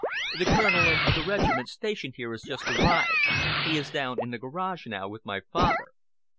"The Colonel of the regiment stationed here has just arrived. He is down in the garage now with my father."